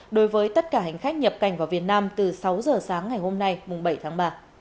đối với tất cả hành khách nhập cảnh vào việt nam từ sáu giờ sáng ngày hôm nay bảy tháng ba